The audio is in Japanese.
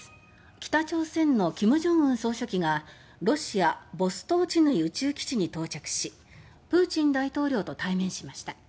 北朝鮮の金正恩総書記がロシア・ボストーチヌイ宇宙基地に到着しプーチン大統領と対面しました。